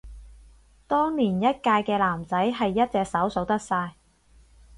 當年一屆嘅男仔係一隻手數得晒